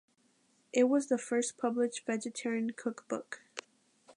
It was the first published vegetarian cookbook.